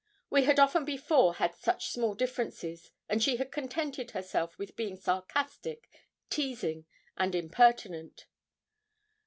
We had often before had such small differences, and she had contented herself with being sarcastic, teasing, and impertinent.